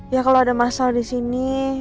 ya kalau ada masalah di sini